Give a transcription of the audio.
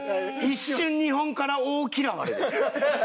「一瞬日本から大嫌われ」です。